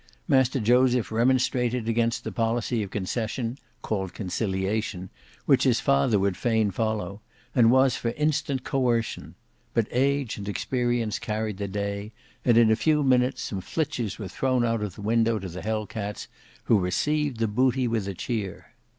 Master Joseph remonstrated against the policy of concession, called conciliation, which his father would fain follow, and was for instant coercion; but age and experience carried the day, and in a few minutes some flitches were thrown out of the window to the Hell cats who received the booty with a cheer.